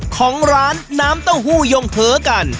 ของร้านน้ำเต้าหู้ยงเผลอกัน